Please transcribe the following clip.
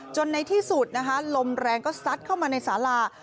ในที่สุดนะคะลมแรงก็ซัดเข้ามาในสารา